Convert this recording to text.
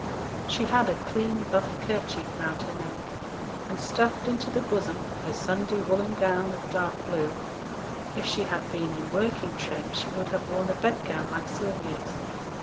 She had a clean buff kerchief round her neck, and stuffed into the bosom of her Sunday woollen gown of dark blue, if she had been in working trim she would have worn a bedgown like Sylvia's.